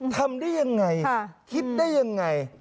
ทำได้ยังไงคิดได้ยังไง